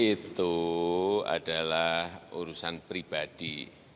itu adalah urusan pribadi